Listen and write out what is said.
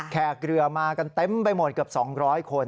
แขกเรือมากันเต็มไปหมดเกือบ๒๐๐คน